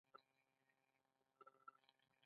ده راته وویل شبستري تر سروش زیات تسلط لري.